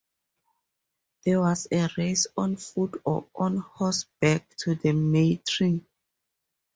There was a race on foot or on horseback to the May-tree.